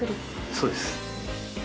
そうです。